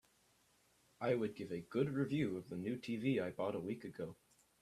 I would give a good review of the new TV I bought a week ago.